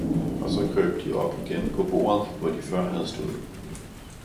Og så krøb de op igen på bordet hvor de før havde stået.